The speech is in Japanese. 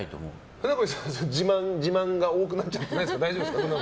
船越さんの自慢が多くなっちゃうとかないですか。